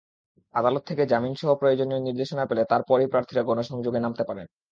আদালত থেকে জামিনসহ প্রয়োজনীয় নির্দেশনা পেলে তার পরই প্রার্থীরা গণসংযোগে নামতে পারেন।